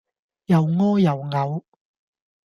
又屙又嘔